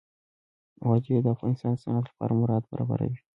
وادي د افغانستان د صنعت لپاره مواد برابروي.